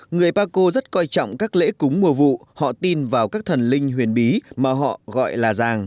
người paco rất coi trọng các lễ cúng mùa vụ họ tin vào các thần linh huyền bí mà họ gọi là giàng